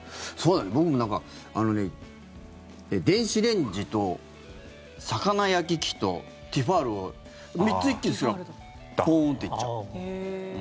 僕もなんか、電子レンジと魚焼き器とティファールを３つ一気に使ったらボーンっていっちゃう。